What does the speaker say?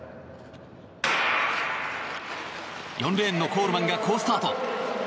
４レーンのコールマンが好スタート。